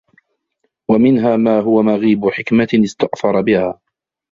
وَمِنْهَا مَا هُوَ مَغِيبُ حِكْمَةٍ اسْتَأْثَرَ بِهَا